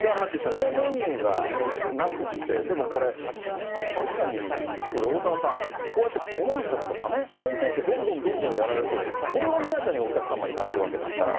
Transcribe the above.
このメニューがなくって、でもこれ、確かにこれ、おおたわさん、こうやってコマーシャルとかね、ホームページでどんどんどんどんやられると、これを目当てにお客様は行かれるわけですから。